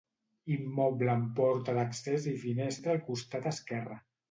Immoble amb porta d'accés i finestra al costat esquerre.